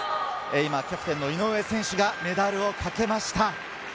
今キャプテンの井上選手がメダルをかけました。